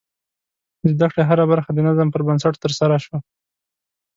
د زده کړې هره برخه د نظم پر بنسټ ترسره شوه.